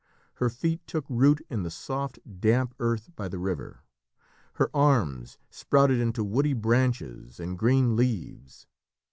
Her feet took root in the soft, damp earth by the river. Her arms sprouted into woody branches and green leaves.